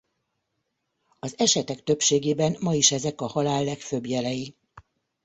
Az esetek többségében ma is ezek a halál legfőbb jelei.